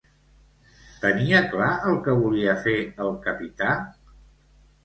Tenia clar el que volia fer el capità?